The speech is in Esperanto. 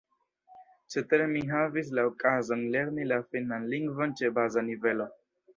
Cetere, mi havis la okazon lerni la finnan lingvon ĉe baza nivelo.